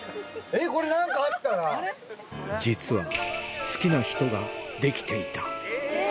実は好きな人が出来ていたえぇ！